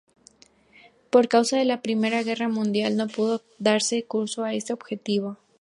Por causa de la Primera Guerra Mundial no pudo darse curso a este objetivo.